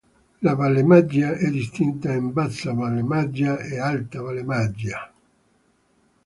La Vallemaggia è distinta in Bassa Vallemaggia e Alta Vallemaggia.